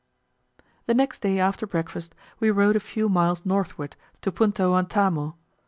The next day after breakfast, we rode a few miles northward to Punta Huantamo.